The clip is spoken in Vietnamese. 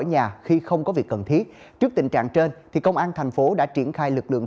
nhà khi không có việc cần thiết trước tình trạng trên thì công an thành phố đã triển khai lực lượng